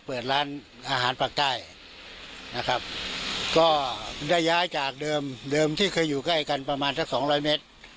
เปิดร้านอาหารปากใต้นะครับก็ได้ย้ายจากเดิมเดิมที่เคยอยู่ใกล้กันประมาณสักสองร้อยเมตร